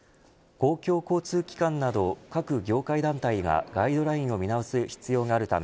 公共交通機関など各業界団体がガイドラインを見直す必要があるため